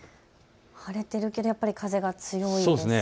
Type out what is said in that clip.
晴れているけれども風が強いですね。